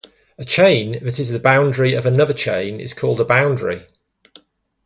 A chain that is the boundary of another chain is called a boundary.